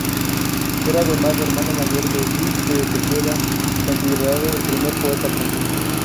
Era, además, hermana mayor de Luis de Tejeda, considerado el primer poeta argentino.